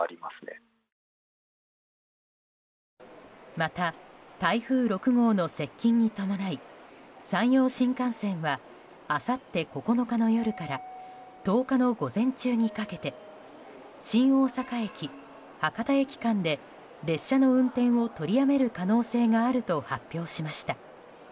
また、台風６号の接近に伴い山陽新幹線はあさって９日の夜から１０日の午前中にかけて新大阪駅博多駅間で列車の運転を取りやめる可能性があると発表しました。